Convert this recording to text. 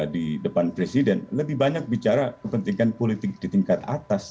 di depan presiden lebih banyak bicara kepentingan politik di tingkat atas